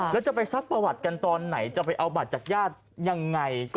แล้วจะไปซักประวัติกันตอนไหนจะไปเอาบัตรจากญาติยังไง